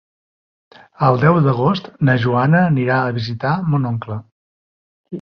El deu d'agost na Joana anirà a visitar mon oncle.